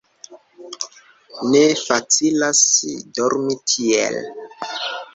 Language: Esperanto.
Ne facilas dormi tiel.